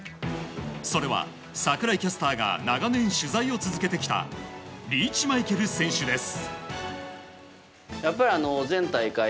それは、櫻井キャスターが長年、取材を続けてきたリーチマイケル選手です。